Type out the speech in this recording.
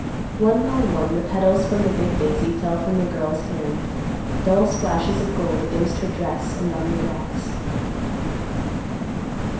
One by one, the petals from the big daisy fell from the girl's hand, dull splashes of gold against her dress and on the grass.